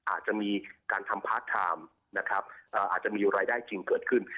อาจจะมีการทำพาร์ทไทม์นะครับอาจจะมีรายได้จริงเกิดขึ้น